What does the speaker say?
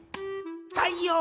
太陽！